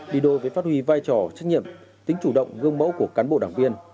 đi đôi với phát huy vai trò trách nhiệm tính chủ động gương mẫu của cán bộ đảng viên